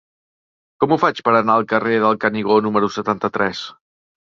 Com ho faig per anar al carrer del Canigó número setanta-tres?